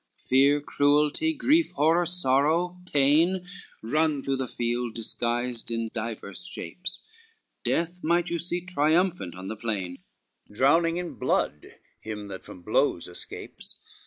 XCIII Fear, cruelty, grief, horror, sorrow, pain, Run through the field, disguised in divers shapes, Death might you see triumphant on the plain, Drowning in blood him that from blows escapes.